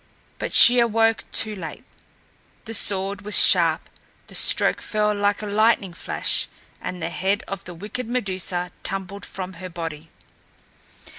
But she awoke too late. The sword was sharp, the stroke fell like a lightning flash, and the head of the wicked Medusa tumbled from her body!